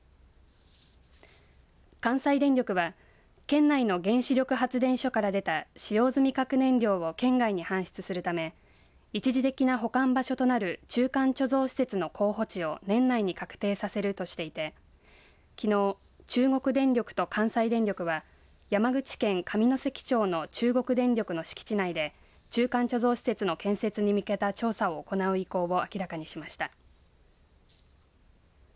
関西電力は県内の原子力発電所から出た使用済み核燃料を県外に搬出するため一時的な保管場所となる中間貯蔵施設の候補地を年内に確定させるとしていてきのう中国電力と関西電力は山口県上関町の中国電力の敷地内で中間貯蔵施設の建設に向けた調査を行う意向を明らかにしました。